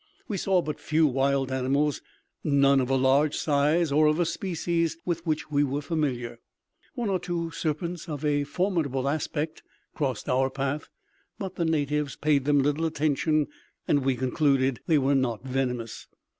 We saw but few wild animals, and none of a large size, or of a species with which we were familiar. One or two serpents of a formidable aspect crossed our path, but the natives paid them little attention, and we concluded that they were not venomous.